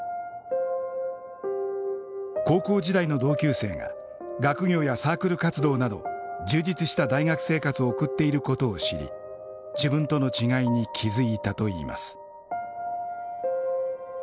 高校時代の同級生が学業やサークル活動など充実した大学生活を送っていることを知り自分との違いに気付いたといいます。